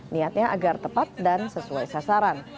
niatnya agar tepat dan sesuai sasaran